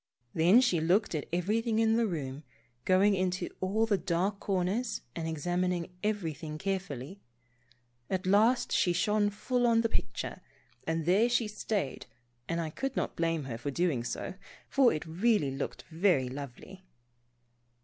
Then she looked at everything in the room, going into all the dark corners and examining everything carefully. At last she shone full on the picture, and there she stayed and I could not blame her for doing so, for it really looked very lovely.